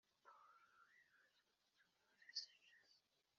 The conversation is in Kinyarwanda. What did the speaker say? Pawulo yiregura imbere ya Feligisi